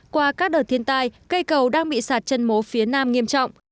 qua các đợt thiên tai cây cầu đang bị sạt chân mố phía nam nghiêm trọng